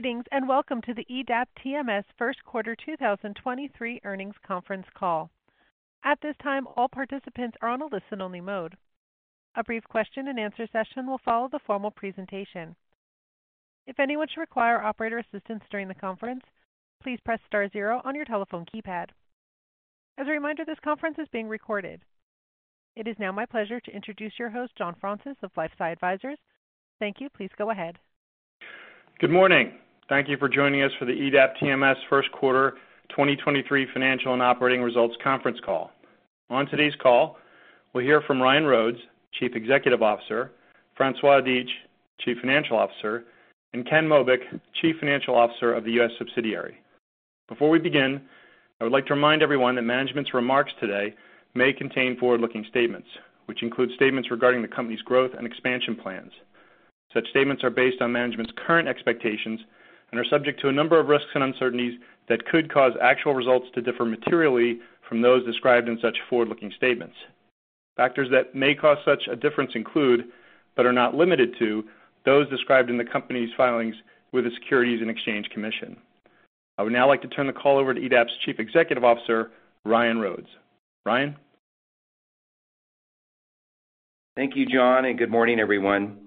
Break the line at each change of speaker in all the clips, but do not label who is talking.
Greetings, welcome to the EDAP TMS first quarter 2023 Earnings Conference call. At this time, all participants are on a listen-only mode. A brief question and answer session will follow the formal presentation. If anyone should require operator assistance during the conference, please press star 0 on your telephone keypad. As a reminder, this conference is being recorded. It is now my pleasure to introduce your host, John Fraunces of LifeSci Advisors. Thank you. Please go ahead.
Good morning. Thank you for joining us for the EDAP TMS first quarter 2023 financial and operating results conference call. On today's call, we'll hear from Ryan Rhodes, Chief Executive Officer, Francois Dietsch, Chief Financial Officer, and Ken Mobeck, Chief Financial Officer of the US subsidiary. Before we begin, I would like to remind everyone that management's remarks today may contain forward-looking statements, which include statements regarding the company's growth and expansion plans. Such statements are based on management's current expectations and are subject to a number of risks and uncertainties that could cause actual results to differ materially from those described in such forward-looking statements. Factors that may cause such a difference include, but are not limited to, those described in the company's filings with the Securities and Exchange Commission. I would now like to turn the call over to EDAP's Chief Executive Officer, Ryan Rhodes. Ryan?
Thank you, John Fraunces, good morning, everyone.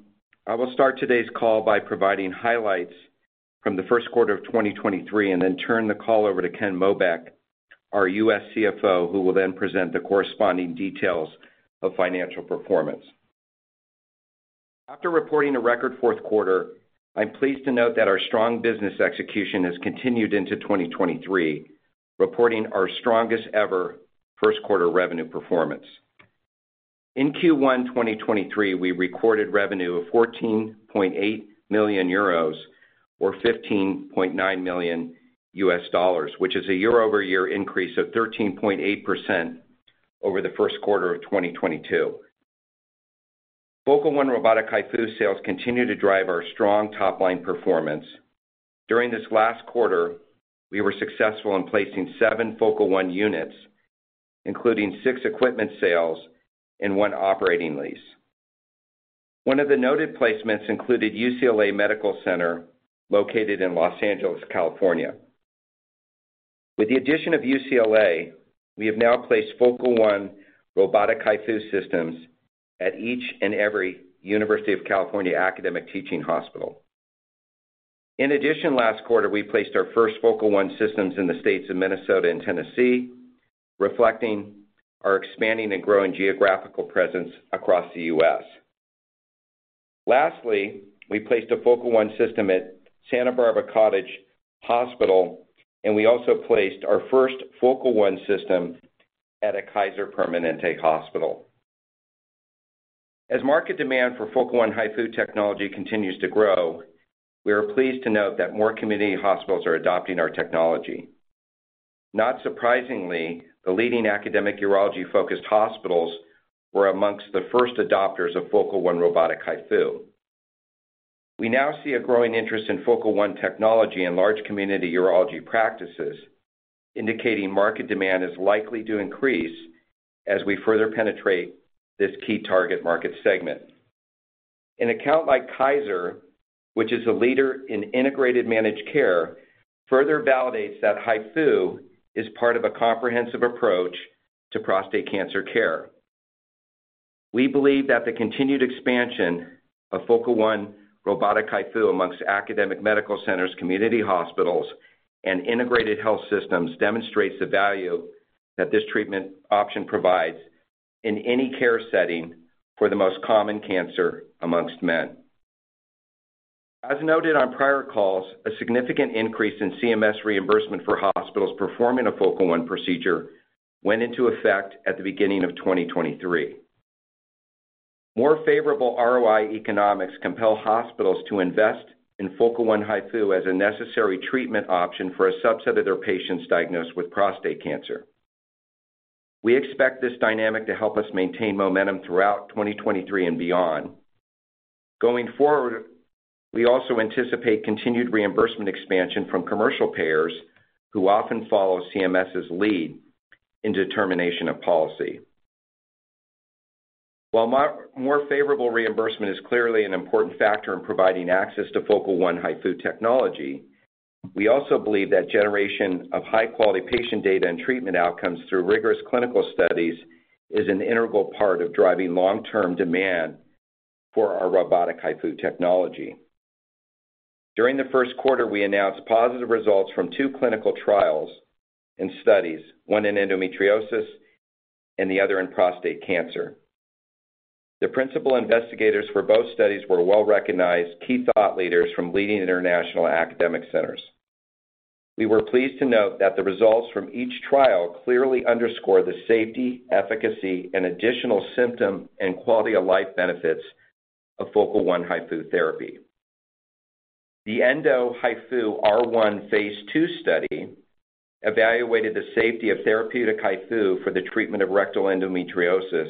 I will start today's call by providing highlights from the first quarter of 2023 and then turn the call over to Ken Mobeck, our U.S. CFO, who will then present the corresponding details of financial performance. After reporting a record fourth quarter, I'm pleased to note that our strong business execution has continued into 2023, reporting our strongest ever first quarter revenue performance. In Q1 2023, we recorded revenue of 14.8 million euros or $15.9 million, which is a year-over-year increase of 13.8% over the first quarter of 2022. Focal One robotic HIFU sales continue to drive our strong top-line performance. During this last quarter, we were successful in placing seven Focal One units, including six equipment sales and one operating lease. One of the noted placements included UCLA Medical Center located in Los Angeles, California. With the addition of UCLA, we have now placed Focal One robotic HIFU systems at each and every University of California academic teaching hospital. Last quarter, we placed our first Focal One systems in the states of Minnesota and Tennessee, reflecting our expanding and growing geographical presence across the U.S. We placed a Focal One system at Santa Barbara Cottage Hospital, and we also placed our first Focal One system at a Kaiser Permanente Hospital. Market demand for Focal One HIFU technology continues to grow, we are pleased to note that more community hospitals are adopting our technology. Not surprisingly, the leading academic urology-focused hospitals were amongst the first adopters of Focal One robotic HIFU. We now see a growing interest in Focal One technology in large community urology practices, indicating market demand is likely to increase as we further penetrate this key target market segment. An account like Kaiser, which is a leader in integrated managed care, further validates that HIFU is part of a comprehensive approach to prostate cancer care. We believe that the continued expansion of Focal One robotic HIFU amongst academic medical centers, community hospitals, and integrated health systems demonstrates the value that this treatment option provides in any care setting for the most common cancer amongst men. As noted on prior calls, a significant increase in CMS reimbursement for hospitals performing a Focal One procedure went into effect at the beginning of 2023. More favorable ROI economics compel hospitals to invest in Focal One HIFU as a necessary treatment option for a subset of their patients diagnosed with prostate cancer. We expect this dynamic to help us maintain momentum throughout 2023 and beyond. Going forward, we also anticipate continued reimbursement expansion from commercial payers who often follow CMS's lead in determination of policy. While more favorable reimbursement is clearly an important factor in providing access to Focal One HIFU technology, we also believe that generation of high-quality patient data and treatment outcomes through rigorous clinical studies is an an integral part of driving long-term demand for our robotic HIFU technology. During the first quarter, we announced positive results from two clinical trials and studies, one in endometriosis and the other in prostate cancer. The principal investigators for both studies were well-recognized key thought leaders from leading international academic centers. We were pleased to note that the results from each trial clearly underscore the safety, efficacy, and additional symptom and quality of life benefits of Focal One HIFU therapy. The Endo-HIFU-R1 phase two study evaluated the safety of therapeutic HIFU for the treatment of rectal endometriosis,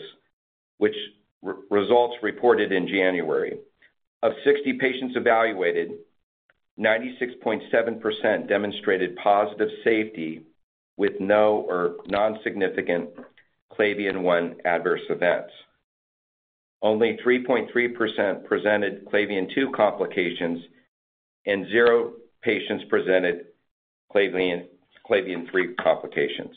which results reported in January. Of 60 patients evaluated, 96.7% demonstrated positive safety with no or non-significant Clavien one adverse events. Only 3.3% presented Clavien two complications, and zero patients presented Clavien three complications.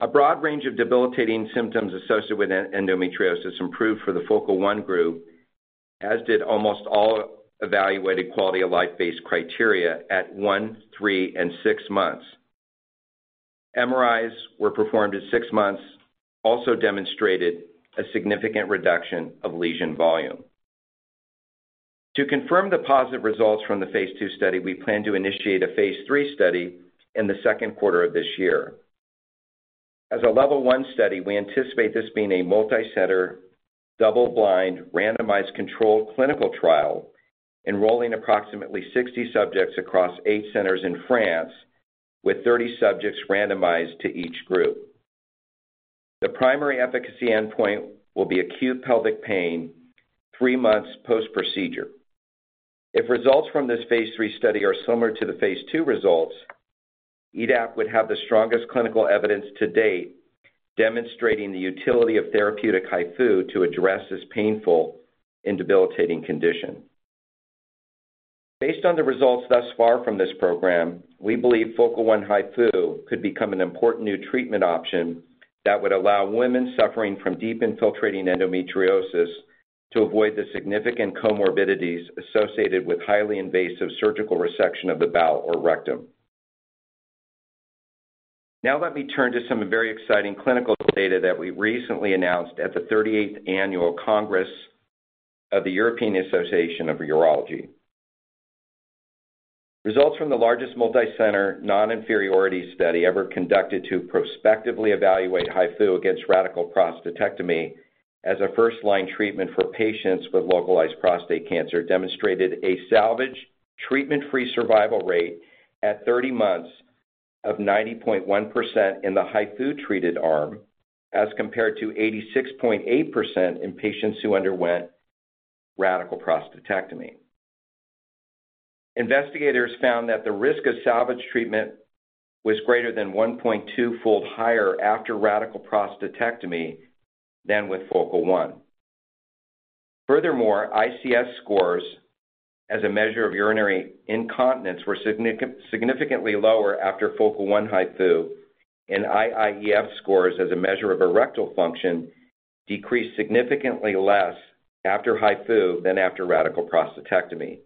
A broad range of debilitating symptoms associated with endometriosis improved for the Focal One group, as did almost all evaluated quality of life based criteria at one, three, and six months. MRIs were performed at six months also demonstrated a significant reduction of lesion volume. To confirm the positive results from the phase two study, we plan to initiate a phase three study in the second quarter of this year. As a level one study, we anticipate this being a multi-center, double-blind, randomized controlled clinical trial enrolling approximately 60 subjects across eight centers in France, with 30 subjects randomized to each group. The primary efficacy endpoint will be acute pelvic pain three months post-procedure. If results from this phase three study are similar to the phase two results, EDAP would have the strongest clinical evidence to date demonstrating the utility of therapeutic HIFU to address this painful and debilitating condition. Based on the results thus far from this program, we believe Focal One HIFU could become an important new treatment option that would allow women suffering from deep infiltrating endometriosis to avoid the significant comorbidities associated with highly invasive surgical resection of the bowel or rectum. Let me turn to some very exciting clinical data that we recently announced at the 38th annual Congress of the European Association of Urology. Results from the largest multi-center non-inferiority study ever conducted to prospectively evaluate HIFU against radical prostatectomy as a first line treatment for patients with localized prostate cancer demonstrated a salvage treatment-free survival rate at 30 months of 90.1% in the HIFU treated arm, as compared to 86.8% in patients who underwent radical prostatectomy. Investigators found that the risk of salvage treatment was greater than 1.2 fold higher after radical prostatectomy than with Focal One. ICS scores as a measure of urinary incontinence were significantly lower after Focal One HIFU, and IIEF scores as a measure of erectile function decreased significantly less after HIFU than after radical prostatectomy.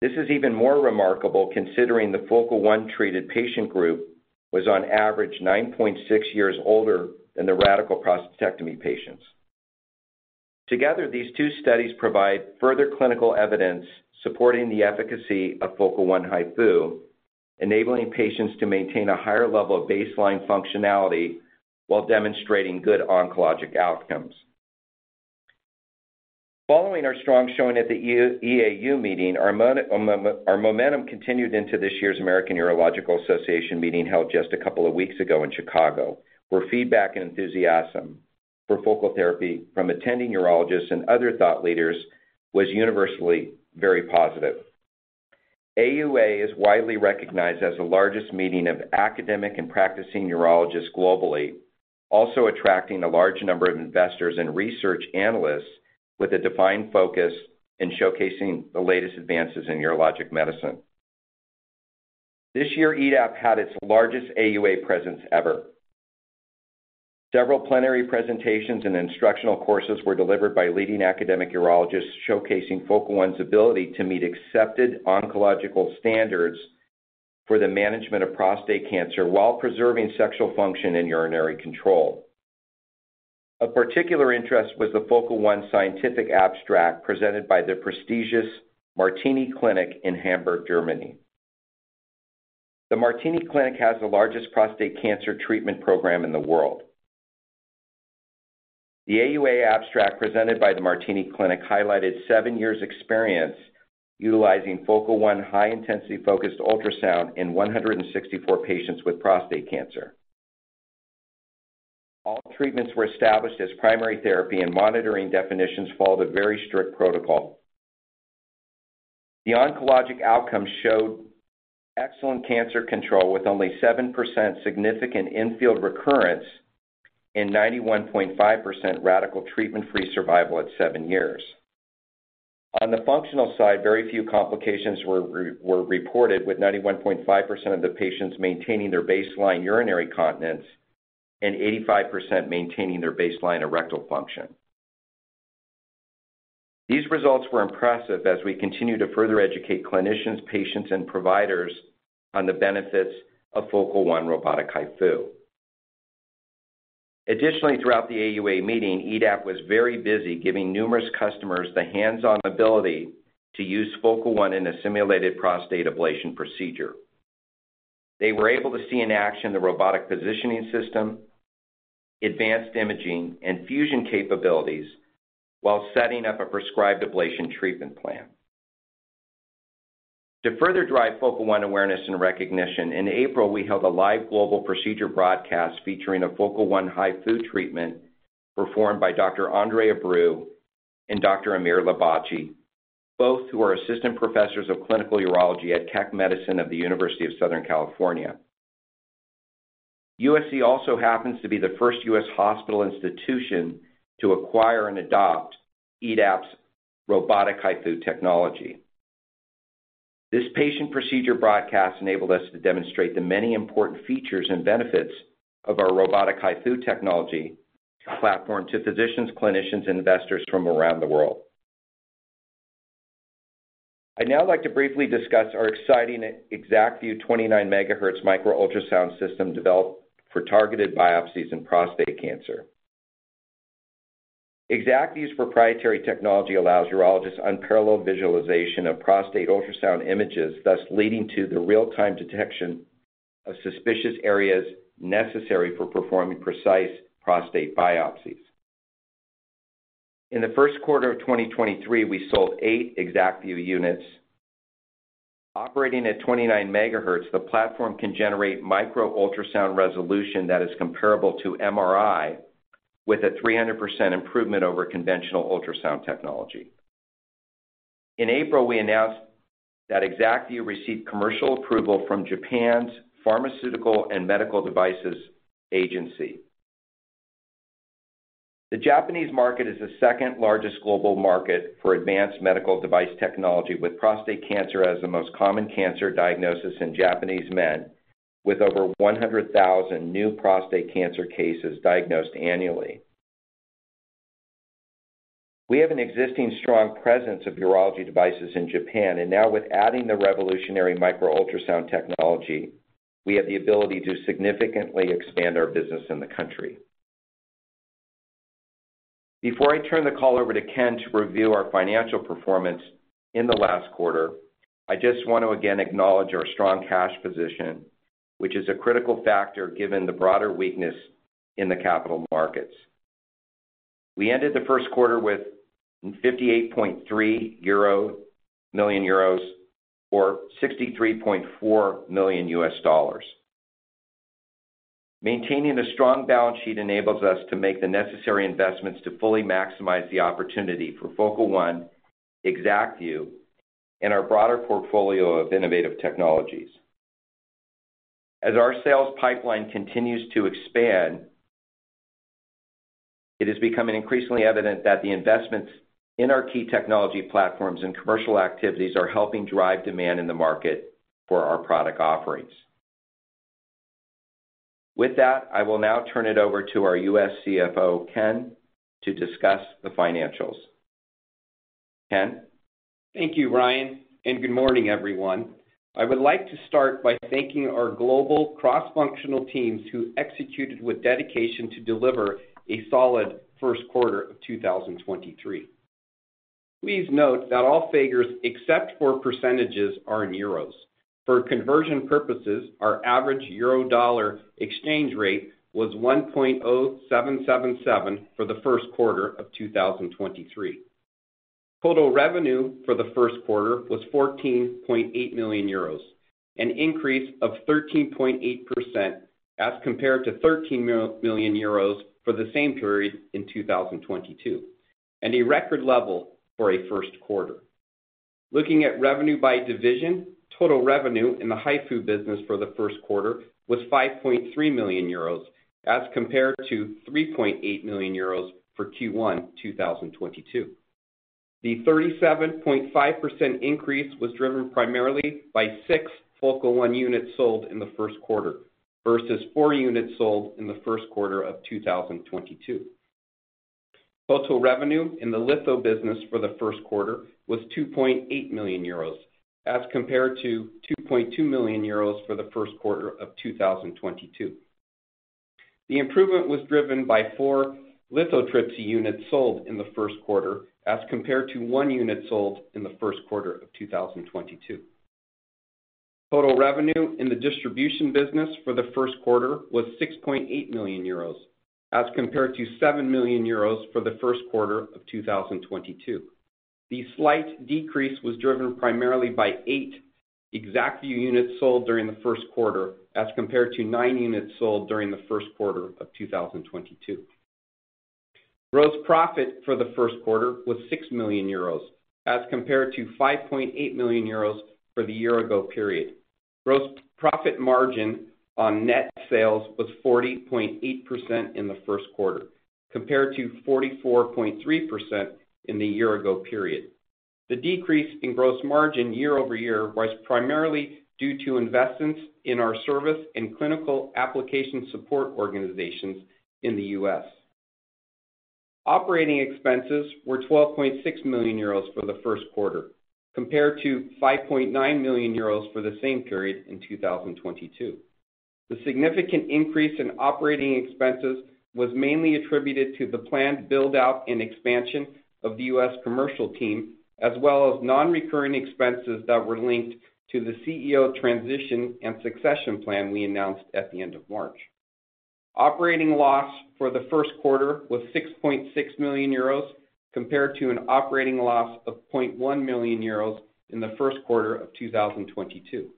This is even more remarkable considering the Focal One treated patient group was on average 9.6 years older than the radical prostatectomy patients. Together, these two studies provide further clinical evidence supporting the efficacy of Focal One HIFU, enabling patients to maintain a higher level of baseline functionality while demonstrating good oncologic outcomes. Following our strong showing at the EAU meeting, our momentum continued into this year's American Urological Association meeting held just a couple of weeks ago in Chicago, where feedback and enthusiasm for focal therapy from attending urologists and other thought leaders was universally very positive. AUA is widely recognized as the largest meeting of academic and practicing urologists globally, also attracting a large number of investors and research analysts with a defined focus in showcasing the latest advances in urologic medicine. This year, EDAP had its largest AUA presence ever. Several plenary presentations and instructional courses were delivered by leading academic urologists, showcasing Focal One's ability to meet accepted oncological standards for the management of prostate cancer while preserving sexual function and urinary control. Of particular interest was the Focal One scientific abstract presented by the prestigious Martini-Klinik in Hamburg, Germany. The Martini-Klinik has the largest prostate cancer treatment program in the world. The AUA abstract presented by the Martini-Klinik highlighted seven years experience utilizing Focal One high intensity focused ultrasound in 164 patients with prostate cancer. All treatments were established as primary therapy, and monitoring definitions followed a very strict protocol. The oncologic outcomes showed excellent cancer control with only 7% significant infield recurrence and 91.5% radical treatment-free survival at seven years. On the functional side, very few complications were reported, with 91.5% of the patients maintaining their baseline urinary continence and 85% maintaining their baseline erectile function. These results were impressive as we continue to further educate clinicians, patients, and providers on the benefits of Focal One robotic HIFU. Additionally, throughout the AUA meeting, EDAP was very busy giving numerous customers the hands-on ability to use Focal One in a simulated prostate ablation procedure. They were able to see in action the robotic positioning system, advanced imaging, and fusion capabilities while setting up a prescribed ablation treatment plan. To further drive Focal One awareness and recognition, in April we held a live global procedure broadcast featuring a Focal One HIFU treatment performed by Dr. Andre Abreu and Dr. Amir Lebastchi, both who are assistant professors of clinical urology at Keck Medicine of the University of Southern California. USC also happens to be the first U.S. hospital institution to acquire and adopt EDAP's robotic HIFU technology. This patient procedure broadcast enabled us to demonstrate the many important features and benefits of our robotic HIFU technology platform to physicians, clinicians, investors from around the world. I'd now like to briefly discuss our exciting ExactVu 29 MHz micro-ultrasound system developed for targeted biopsies in prostate cancer. ExactVu's proprietary technology allows urologists unparalleled visualization of prostate ultrasound images, thus leading to the real-time detection of suspicious areas necessary for performing precise prostate biopsies. In the first quarter of 2023, we sold eight ExactVu units. Operating at 29 MHz, the platform can generate micro-ultrasound resolution that is comparable to MRI with a 300% improvement over conventional ultrasound technology. In April, we announced that ExactVu received commercial approval from Japan's Pharmaceutical and Medical Devices Agency. The Japanese market is the second largest global market for advanced medical device technology, with prostate cancer as the most common cancer diagnosis in Japanese men, with over 100,000 new prostate cancer cases diagnosed annually. We have an existing strong presence of urology devices in Japan. Now with adding the revolutionary micro ultrasound technology, we have the ability to significantly expand our business in the country. Before I turn the call over to Ken to review our financial performance in the last quarter, I just want to again acknowledge our strong cash position, which is a critical factor given the broader weakness in the capital markets. We ended the first quarter with 58.3 million euros, or $63.4 million. Maintaining a strong balance sheet enables us to make the necessary investments to fully maximize the opportunity for Focal One, ExactVu, and our broader portfolio of innovative technologies. As our sales pipeline continues to expand, it is becoming increasingly evident that the investments in our key technology platforms and commercial activities are helping drive demand in the market for our product offerings. With that, I will now turn it over to our U.S. CFO, Ken, to discuss the financials. Ken?
Thank you, Ryan. Good morning, everyone. I would like to start by thanking our global cross-functional teams who executed with dedication to deliver a solid first quarter of 2023. Please note that all figures except for % are in EUR. For conversion purposes, our average euro-dollar exchange rate was 1.0777 for the first quarter of 2023. Total revenue for the first quarter was 14.8 million euros, an increase of 13.8% as compared to 13 million euros for the same period in 2022, and a record level for a first quarter. Looking at revenue by division, total revenue in the HIFU business for the first quarter was 5.3 million euros as compared to 3.8 million euros for Q1 2022. The 37.5% increase was driven primarily by six Focal One units sold in the first quarter versus four units sold in the first quarter of 2022. Total revenue in the litho business for the first quarter was 2.8 million euros as compared to 2.2 million euros for the first quarter of 2022. The improvement was driven by four lithotripsy units sold in the first quarter as compared to 1oneunit sold in the first quarter of 2022. Total revenue in the distribution business for the first quarter was 6.8 million euros as compared to 7 million euros for the first quarter of 2022. The slight decrease was driven primarily by eight ExactVu units sold during the first quarter as compared nine units sold during the first quarter of 2022. Gross profit for the first quarter was 6 million euros as compared to 5.8 million euros for the year-ago period. Gross profit margin on net sales was 40.8% in the first quarter compared to 44.3% in the year-ago period. The decrease in gross margin year-over-year was primarily due to investments in our service and clinical application support organizations in the U.S. Operating expenses were 12.6 million euros for the first quarter compared to 5.9 million euros for the same period in 2022. The significant increase in operating expenses was mainly attributed to the planned build-out and expansion of the U.S. commercial team, as well as non-recurring expenses that were linked to the CEO transition and succession plan we announced at the end of March. Operating loss for the first quarter was 6.6 million euros compared to an operating loss of 0.1 million euros in the first quarter of 2022.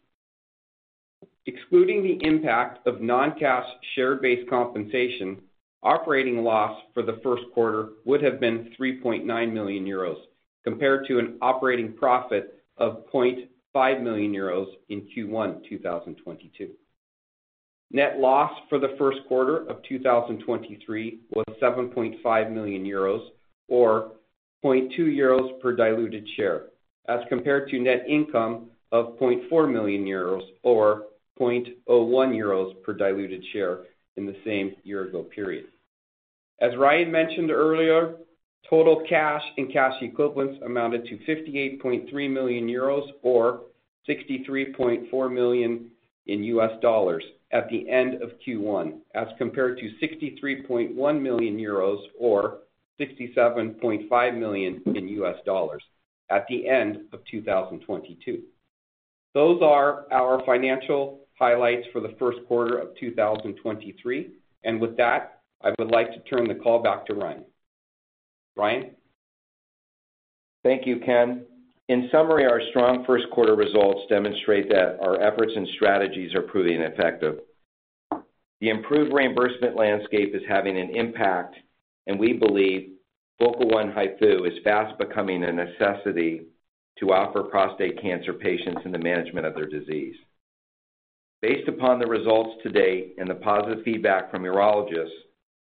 Excluding the impact of non-cash share-based compensation, operating loss for the first quarter would have been 3.9 million euros compared to an operating profit of 0.5 million euros in Q1 2022. Net loss for the first quarter of 2023 was 7.5 million euros or 0.2 euros per diluted share, as compared to net income of 0.4 million euros or 0.01 euros per diluted share in the same year-ago period. As Ryan mentioned earlier, total cash and cash equivalents amounted to 58.3 million euros or $63.4 million at the end of Q1, as compared to 63.1 million euros or $67.5 million at the end of 2022. Those are our financial highlights for the first quarter of 2023. With that, I would like to turn the call back to Ryan. Ryan?
Thank you, Ken. In summary, our strong first quarter results demonstrate that our efforts and strategies are proving effective. The improved reimbursement landscape is having an impact, and we believe Focal One HIFU is fast becoming a necessity to offer prostate cancer patients in the management of their disease. Based upon the results to date and the positive feedback from urologists,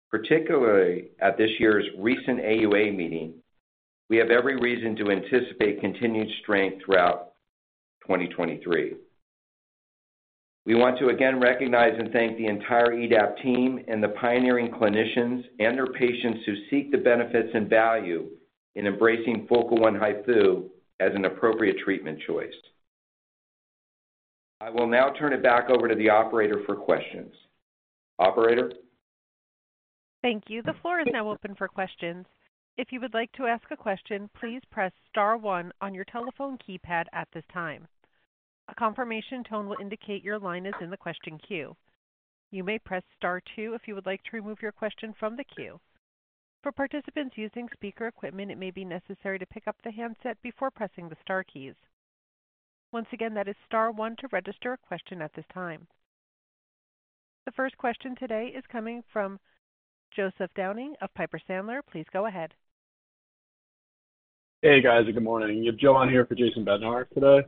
particularly at this year's recent AUA meeting, we have every reason to anticipate continued strength throughout 2023. We want to again recognize and thank the entire EDAP team and the pioneering clinicians and their patients who seek the benefits and value in embracing Focal One HIFU as an appropriate treatment choice. I will now turn it back over to the operator for questions. Operator?
Thank you. The floor is now open for questions. If you would like to ask a question, please press star one on your telephone keypad at this time. A confirmation tone will indicate your line is in the question queue. You may press star two if you would like to remove your question from the queue. For participants using speaker equipment, it may be necessary to pick up the handset before pressing the star keys. Once again, that is star one to register a question at this time. The first question today is coming from Joseph Downing of Piper Sandler. Please go ahead.
Hey, guys, good morning. You have Joe on here for Jason Bednar today.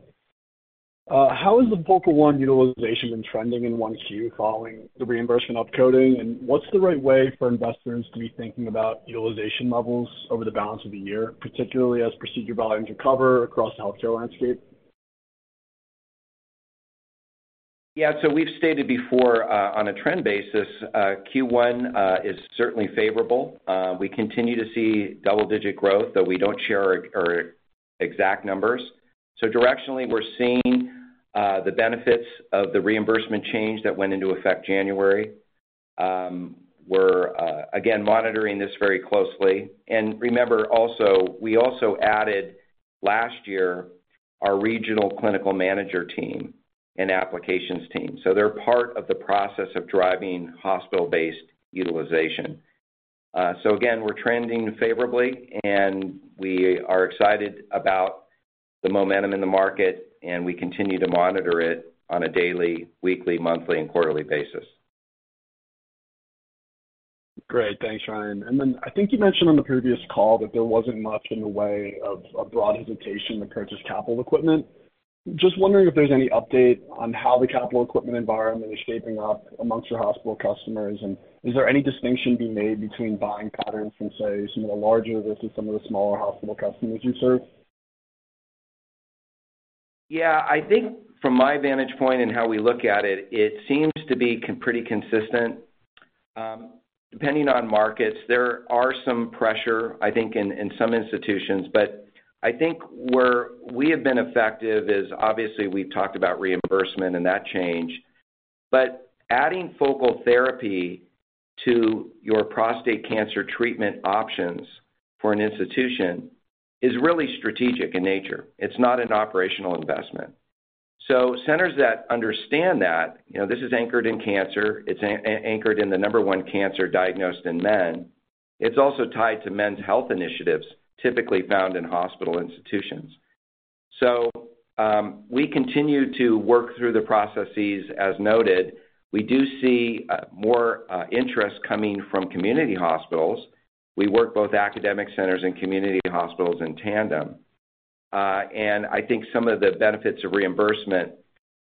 How has the Focal One utilization been trending in 1Q following the reimbursement upcoding, and what's the right way for investors to be thinking about utilization levels over the balance of the year, particularly as procedure volumes recover across the healthcare landscape?
Yeah. We've stated before, on a trend basis, Q1 is certainly favorable. We continue to see double-digit growth, though we don't share our exact numbers. Directionally, we're seeing the benefits of the reimbursement change that went into effect January. We're again, monitoring this very closely. Remember also, we also added last year our regional clinical manager team and applications team. They're part of the process of driving hospital-based utilization. Again, we're trending favorably, and we are excited about the momentum in the market, and we continue to monitor it on a daily, weekly, monthly, and quarterly basis.
Great. Thanks, Ryan. Then I think you mentioned on the previous call that there wasn't much in the way of a broad hesitation to purchase capital equipment. Just wondering if there's any update on how the capital equipment environment is shaping up amongst your hospital customers. Is there any distinction being made between buying patterns from, say, some of the larger versus some of the smaller hospital customers you serve?
Yeah. I think from my vantage point and how we look at it seems to be pretty consistent. Depending on markets, there are some pressure, I think, in some institutions. I think where we have been effective is obviously we've talked about reimbursement and that change. Adding focal therapy to your prostate cancer treatment options for an institution is really strategic in nature. It's not an operational investment. Centers that understand that, you know, this is anchored in cancer, it's anchored in the number one cancer diagnosed in men. It's also tied to men's health initiatives typically found in hospital institutions. We continue to work through the processes as noted. We do see more interest coming from community hospitals. We work both academic centers and community hospitals in tandem. I think some of the benefits of reimbursement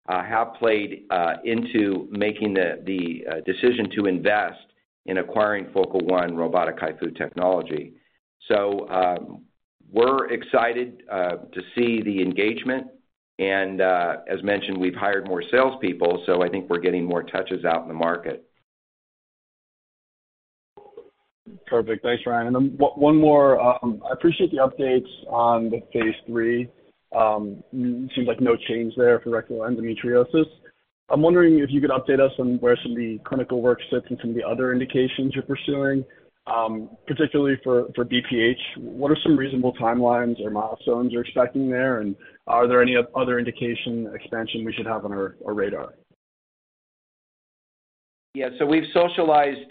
have played into making the decision to invest in acquiring Focal One robotic HIFU technology. We're excited to see the engagement, and as mentioned, we've hired more salespeople, so I think we're getting more touches out in the market.
Perfect. Thanks, Ryan. One more. I appreciate the updates on the phase three. Seems like no change there for rectal endometriosis. I'm wondering if you could update us on where some of the clinical work sits in some of the other indications you're pursuing, particularly for BPH. What are some reasonable timelines or milestones you're expecting there, are there any other indication expansion we should have on our radar?
Yeah. We've socialized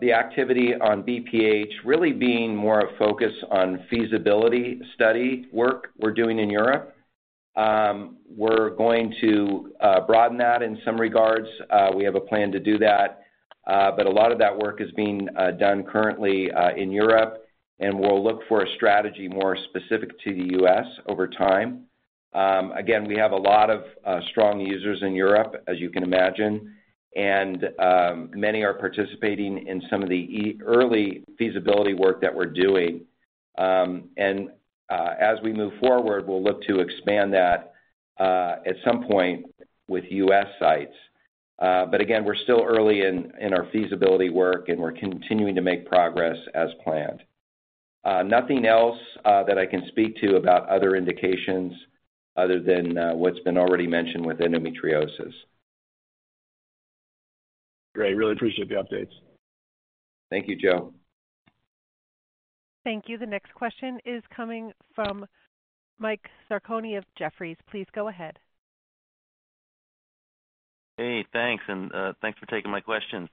the activity on BPH really being more a focus on feasibility study work we're doing in Europe. We're going to broaden that in some regards. We have a plan to do that. A lot of that work is being done currently in Europe, and we'll look for a strategy more specific to the U.S. over time. Again, we have a lot of strong users in Europe, as you can imagine, and many are participating in some of the early feasibility work that we're doing. As we move forward, we'll look to expand that at some point with U.S. sites. Again, we're still early in our feasibility work, and we're continuing to make progress as planned. Nothing else that I can speak to about other indications other than what's been already mentioned with endometriosis.
Great. Really appreciate the updates.
Thank you, Joe.
Thank you. The next question is coming from Michael Sarcone of Jefferies. Please go ahead.
Hey, thanks. Thanks for taking my question.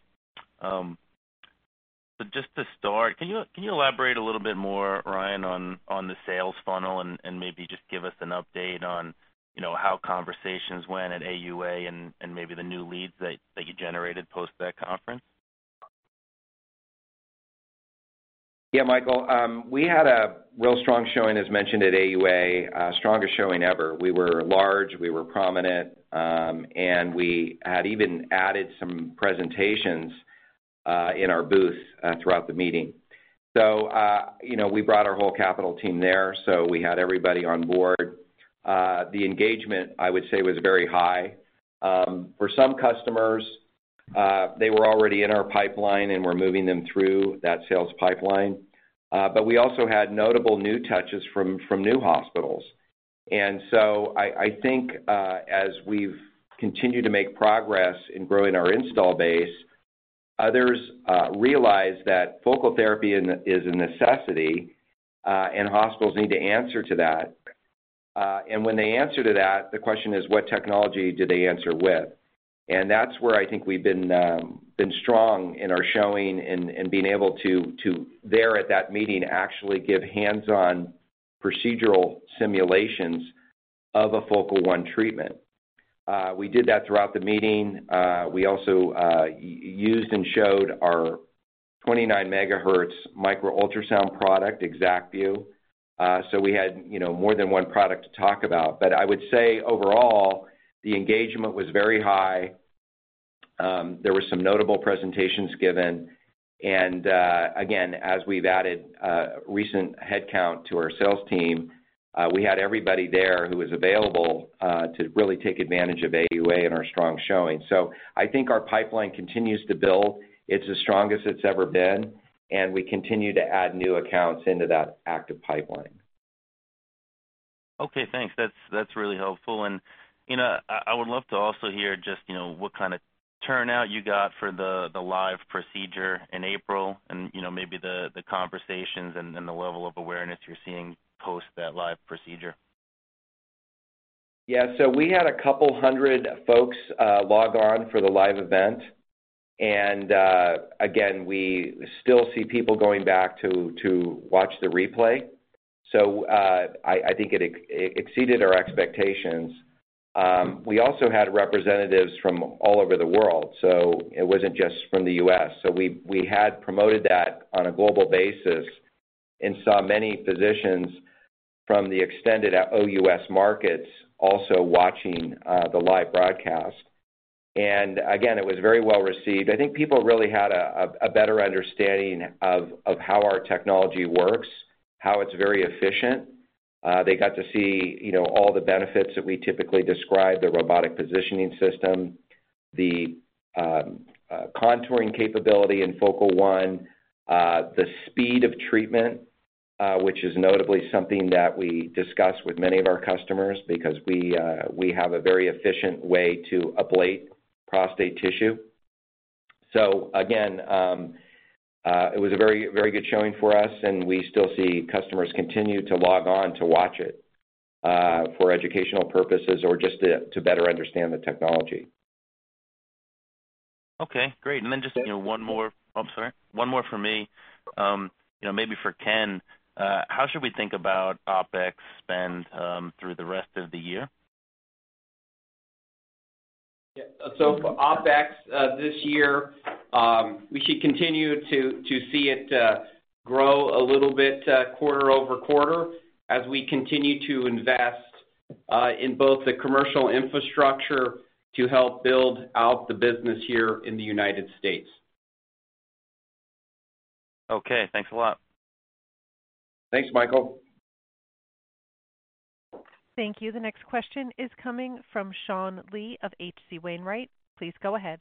Just to start, can you elaborate a little bit more, Ryan, on the sales funnel and maybe just give us an update on, you know, how conversations went at AUA and maybe the new leads that you generated post that conference?
Yeah, Michael. We had a real strong showing, as mentioned, at AUA, strongest showing ever. We were large, we were prominent, we had even added some presentations in our booth throughout the meeting. You know, we brought our whole capital team there, so we had everybody on board. The engagement, I would say, was very high. For some customers, they were already in our pipeline, and we're moving them through that sales pipeline. We also had notable new touches from new hospitals. I think, as we've continued to make progress in growing our install base, others realize that focal therapy is a necessity, and hospitals need to answer to that. When they answer to that, the question is what technology do they answer with? That's where I think we've been strong in our showing and being able to there at that meeting actually give hands-on procedural simulations of a Focal One treatment. We did that throughout the meeting. We also used and showed our 29 megahertz micro ultrasound product, ExactVu. We had, you know, more than one product to talk about. I would say overall, the engagement was very high. There were some notable presentations given. Again, as we've added recent headcount to our sales team, we had everybody there who was available to really take advantage of AUA and our strong showing. I think our pipeline continues to build. It's the strongest it's ever been, and we continue to add new accounts into that active pipeline.
Okay, thanks. That's really helpful. You know, I would love to also hear just, you know, what kind of turnout you got for the live procedure in April and, you know, maybe the conversations and the level of awareness you're seeing post that live procedure.
We had a couple hundred folks log on for the live event. Again, we still see people going back to watch the replay. I think it exceeded our expectations. We also had representatives from all over the world, so it wasn't just from the U.S. We had promoted that on a global basis and saw many physicians from the extended OUS markets also watching the live broadcast. Again, it was very well received. I think people really had a better understanding of how our technology works, how it's very efficient. They got to see, you know, all the benefits that we typically describe, the robotic positioning system, the contouring capability in Focal One, the speed of treatment, which is notably something that we discuss with many of our customers because we have a very efficient way to ablate prostate tissue. Again, it was a very, very good showing for us, and we still see customers continue to log on to watch it, for educational purposes or just to better understand the technology.
Okay, great. Just, you know, one more for me. You know, maybe for Ken, how should we think about OpEx spend through the rest of the year?
For OpEx, this year, we should continue to see it grow a little bit quarter-over-quarter as we continue to invest in both the commercial infrastructure to help build out the business here in the United States.
Okay, thanks a lot.
Thanks, Michael.
Thank you. The next question is coming from Sean Lee of H.C. Wainwright. Please go ahead.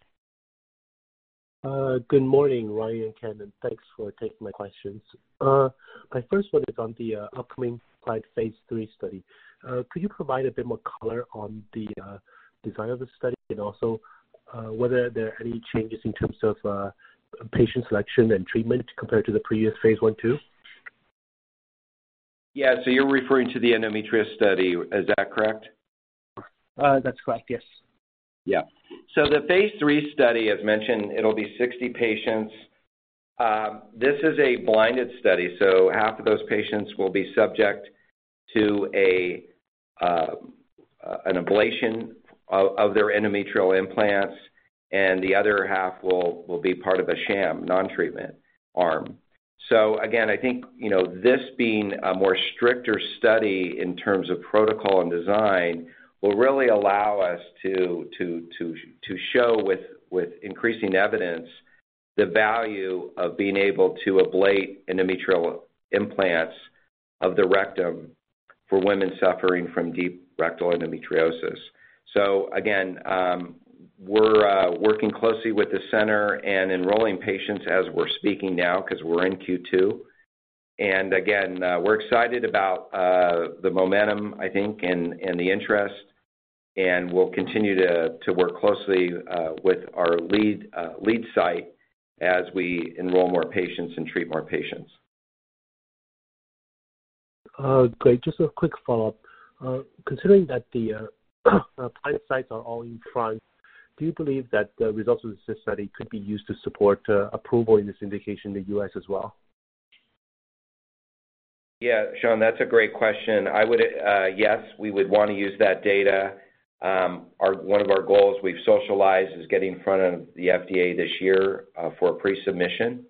Good morning, Ryan and Ken, and thanks for taking my questions. My first one is on the upcoming Clavien phase III study. Could you provide a bit more color on the design of the study and also whether there are any changes in terms of patient selection and treatment compared to the previous phase I, II?
Yeah. you're referring to the endometriosis study, is that correct?
that's correct, yes.
The phase three study, as mentioned, it'll be 60 patients. This is a blinded study, half of those patients will be subject to an ablation of their endometrial implants, and the other half will be part of a sham non-treatment arm. Again, I think, you know, this being a more stricter study in terms of protocol and design will really allow us to show with increasing evidence the value of being able to ablate endometrial implants of the rectum for women suffering from deep rectal endometriosis. Again, we're working closely with the center and enrolling patients as we're speaking now because we're in Q2. Again, we're excited about the momentum, I think, and the interest. We'll continue to work closely with our lead site as we enroll more patients and treat more patients.
Great. Just a quick follow-up. Considering that the pilot sites are all in France, do you believe that the results of this study could be used to support approval in this indication in the U.S. as well?
Yeah, Sean, that's a great question. I would yes, we would wanna use that data. One of our goals we've socialized is getting in front of the FDA this year for a pre-submission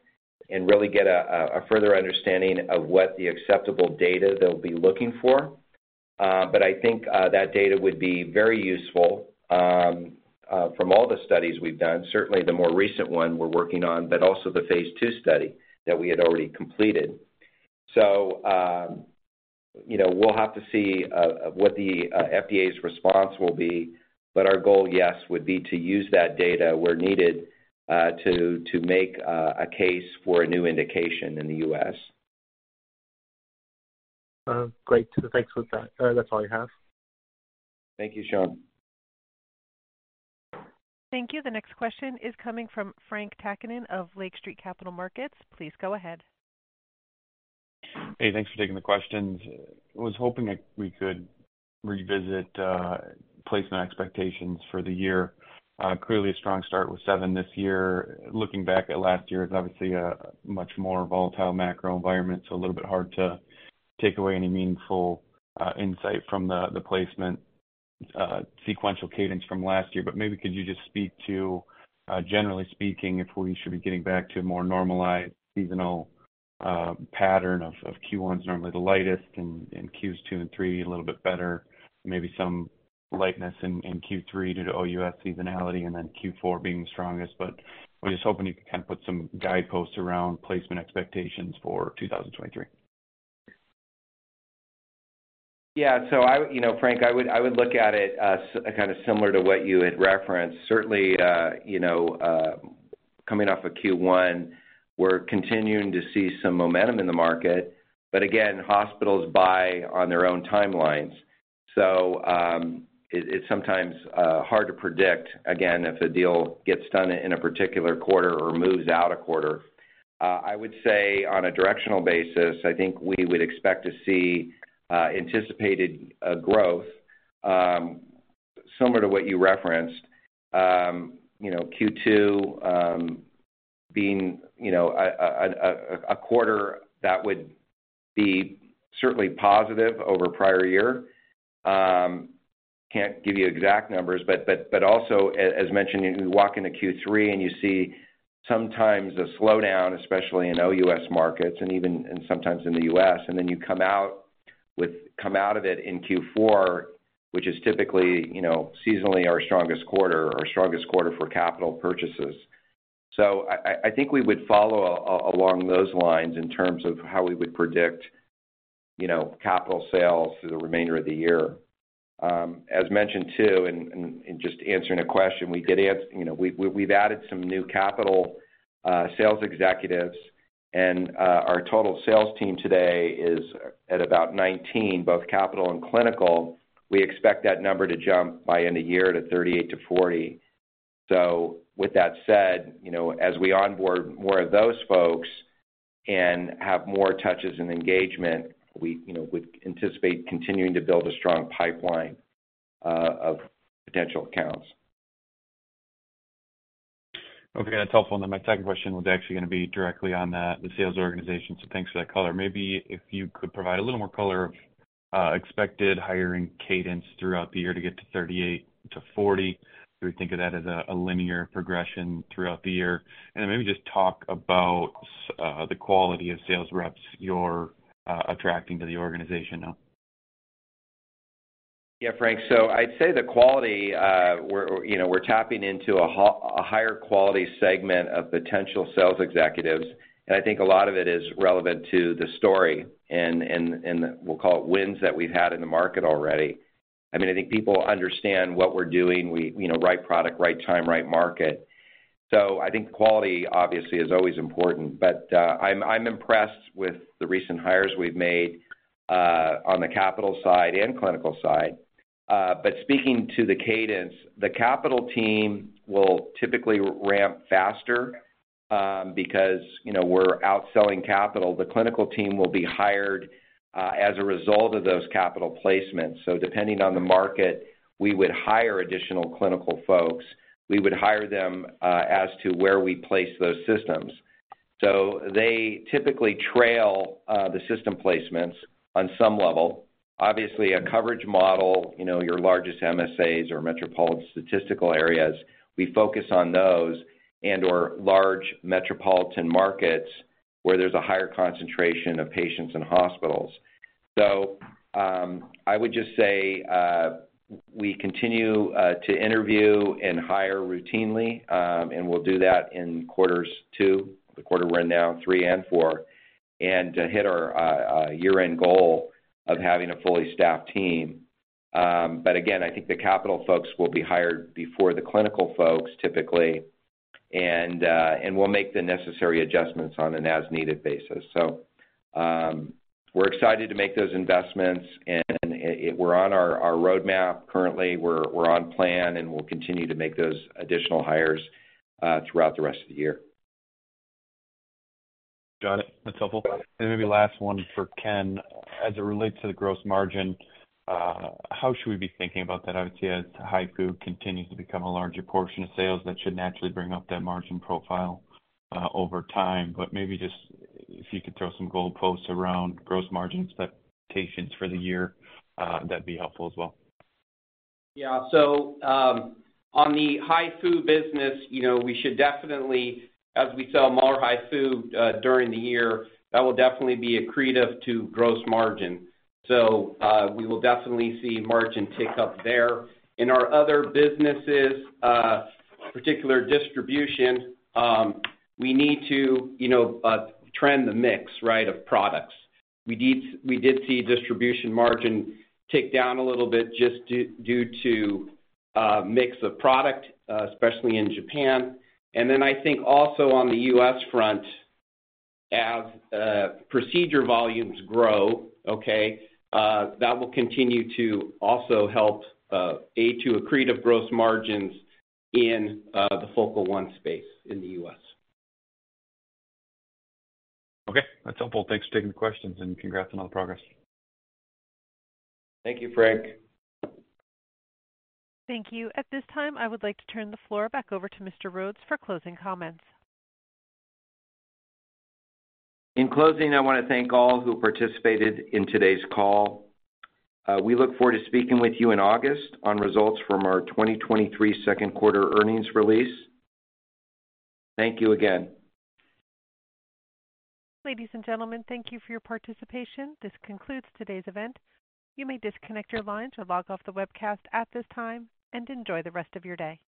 and really get a further understanding of what the acceptable data they'll be looking for. I think that data would be very useful from all the studies we've done, certainly the more recent one we're working on, but also the phase two study that we had already completed. You know, we'll have to see what the FDA's response will be, but our goal, yes, would be to use that data where needed to make a case for a new indication in the U.S.
Great. Thanks for that. That's all I have.
Thank you, Sean.
Thank you. The next question is coming from Frank Takkinen of Lake Street Capital Markets. Please go ahead.
Hey, thanks for taking the questions. I was hoping that we could revisit placement expectations for the year. Clearly a strong start with seven this year. Looking back at last year is obviously a much more volatile macro environment, so a little bit hard to take away any meaningful insight from the placement sequential cadence from last year. Maybe could you just speak to generally speaking, if we should be getting back to a more normalized seasonal pattern of Q1 is normally the lightest and Q2 and three a little bit better, maybe some lightness in Q3 due to OUS seasonality and then Q4 being the strongest. I'm just hoping you can kind of put some guideposts around placement expectations for 2023.
I-- you know, Frank Takkinen, I would look at it kind of similar to what you had referenced. Certainly, you know, coming off of Q1, we're continuing to see some momentum in the market. Again, hospitals buy on their own timelines, so it's sometimes hard to predict again if a deal gets done in a particular quarter or moves out a quarter. I would say on a directional basis, I think we would expect to see anticipated growth similar to what you referenced. You know, Q2, being, you know, a quarter that would be certainly positive over prior year. Can't give you exact numbers, but also, as mentioned, you walk into Q3 and you see sometimes a slowdown, especially in OUS markets and sometimes in the U.S. You come out of it in Q4, which is typically, you know, seasonally our strongest quarter for capital purchases. I think we would follow along those lines in terms of how we would predict, you know, capital sales for the remainder of the year. As mentioned, too, in just answering a question, you know, we've added some new capital sales executives and our total sales team today is at about 19, both capital and clinical. We expect that number to jump by end of year to 38-40. With that said, you know, as we onboard more of those folks and have more touches and engagement, we, you know, would anticipate continuing to build a strong pipeline of potential accounts.
Okay. That's helpful. My second question was actually gonna be directly on that, the sales organization, so thanks for that color. Maybe if you could provide a little more color of expected hiring cadence throughout the year to get to 38 - 40? Then maybe just talk about the quality of sales reps you're attracting to the organization now?
I'd say the quality, you know, we're tapping into a higher quality segment of potential sales executives, and I think a lot of it is relevant to the story and we'll call it wins that we've had in the market already. I mean, I think people understand what we're doing. You know, right product, right time, right market. I think quality obviously is always important. I'm impressed with the recent hires we've made on the capital side and clinical side. Speaking to the cadence, the capital team will typically ramp faster, because, you know, we're outselling capital. The clinical team will be hired as a result of those capital placements. Depending on the market, we would hire additional clinical folks. We would hire them as to where we place those systems. They typically trail the system placements on some level. Obviously, a coverage model, you know, your largest MSAs or Metropolitan Statistical Areas, we focus on those and/or large metropolitan markets where there's a higher concentration of patients in hospitals. I would just say, we continue to interview and hire routinely, and we'll do that in quarters two, the quarter we're in now, three and four, and to hit our year-end goal of having a fully staffed team. Again, I think the capital folks will be hired before the clinical folks typically. We'll make the necessary adjustments on an as-needed basis. We're excited to make those investments and we're on our roadmap currently. We're on plan, and we'll continue to make those additional hires throughout the rest of the year.
Got it. That's helpful. Maybe last one for Ken. As it relates to the gross margin, how should we be thinking about that? Obviously, as HIFU continues to become a larger portion of sales, that should naturally bring up that margin profile over time. Maybe just if you could throw some goalposts around gross margin expectations for the year, that'd be helpful as well.
Yeah. On the HIFU business, you know, we should definitely, as we sell more HIFU, during the year, that will definitely be accretive to gross margin. We will definitely see margin tick up there. In our other businesses, particular distribution, we need to, you know, trend the mix, right, of products. We did see distribution margin tick down a little bit just due to mix of product, especially in Japan. I think also on the U.S. front, as procedure volumes grow, okay, that will continue to also help aid to accretive gross margins in the Focal One space in the U.S.
Okay. That's helpful. Thanks for taking the questions, and congrats on all the progress.
Thank you, Frank.
Thank you. At this time, I would like to turn the floor back over to Mr. Rhodes for closing comments.
In closing, I wanna thank all who participated in today's call. We look forward to speaking with you in August on results from our 2023 second quarter earnings release. Thank you again.
Ladies and gentlemen, thank you for your participation. This concludes today's event. You may disconnect your lines or log off the webcast at this time, and enjoy the rest of your day.